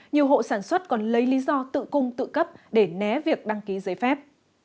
nhiều hộ sản xuất còn lấy lý do tự cung tự cấp để né việc đăng ký giấy phép